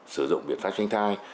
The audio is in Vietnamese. sử dụng biện pháp tranh thai